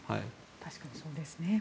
確かにそうですね。